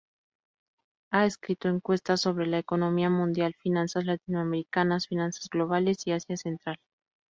Ha escrito encuestas sobre la economía mundial, finanzas latinoamericanas, finanzas globales y Asia Central.